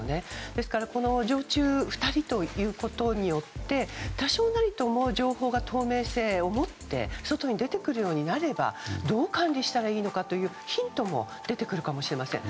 ですから常駐２人ということによって多少なりとも情報が透明性を持って外に出てくるようになればどう管理したらいいのかというヒントも出てくるかもしれません。